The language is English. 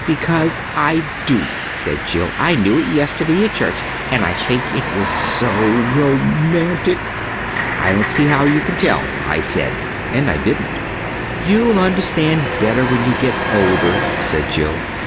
"Because I do," said Jill. "I knew it yesterday at church and I think it is so romantic." "I don't see how you can tell," I said and I didn't. "You'll understand better when you get older," said Jill.